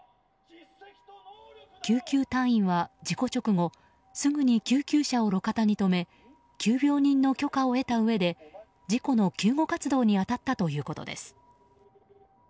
救急隊員は事故直後すぐに救急車を路肩に止め急病人の許可を得たうえで事故の救護活動に当たったということです。